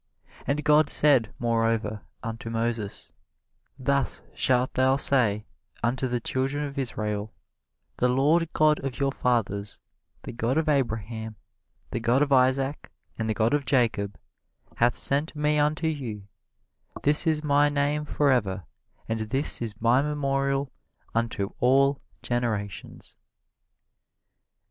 And God said, moreover, unto Moses: Thus shalt thou say unto the children of Israel, The Lord God of your Fathers, the God of Abraham, the God of Isaac, and the God of Jacob, hath sent me unto you: this is my name forever, and this is my memorial unto all generations.